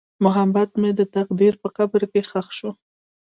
محبت مې د تقدیر په قبر کې ښخ شو.